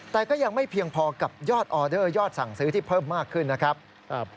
แต่ก็ยังไม่เพียงพอกับยอดออเดอร์ยอดสั่งซื้อที่เพิ่มมากขึ้นนะครับ